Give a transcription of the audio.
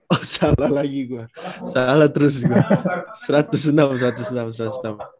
oh salah lagi gue salah terus gue satu ratus enam satu ratus enam satu ratus enam